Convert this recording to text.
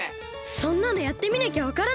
そんなのやってみなきゃわからない！